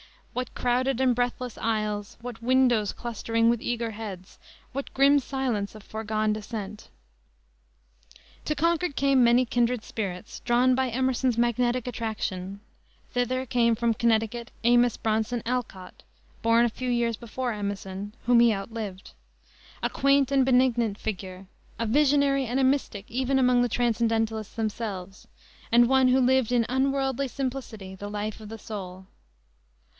What crowded and breathless aisles, what windows clustering with eager heads, what grim silence of foregone dissent!" To Concord came many kindred spirits, drawn by Emerson's magnetic attraction. Thither came, from Connecticut, Amos Bronson Alcott, born a few years before Emerson, whom he outlived; a quaint and benignant figure, a visionary and a mystic even among the transcendentalists themselves, and one who lived in unworldly simplicity the life of the soul.